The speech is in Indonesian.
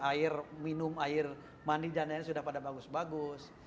air minum air mandi dll sudah pada bagus bagus